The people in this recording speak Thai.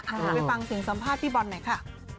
เดี๋ยวไปฟังเสียงสัมภาษณ์พี่บอลหน่อยค่ะ